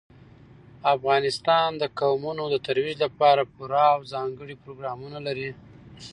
افغانستان د قومونه د ترویج لپاره پوره او ځانګړي پروګرامونه لري.